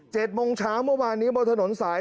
โมงเช้าเมื่อวานนี้บนถนนสาย